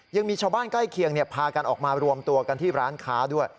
ยังมีชาวบ้านใกล้เคียงพากันออกมารวมตัวกันที่ร้านค้าด้วย